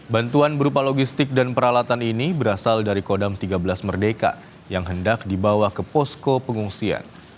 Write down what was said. bantuan berupa logistik dan peralatan ini berasal dari kodam tiga belas merdeka yang hendak dibawa ke posko pengungsian